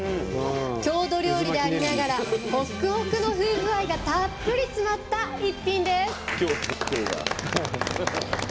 郷土料理でありながらほっくほくの夫婦愛がたっぷり詰まった一品です。